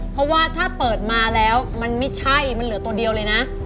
เพราะว่าถ้าเปิดมาแล้วมันไม่ใช่มันเหลือตัวเดียวเลยนะ